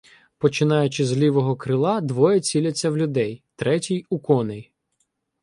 Починаючи з лівого крила, двоє ціляться в людей, третій — у коней.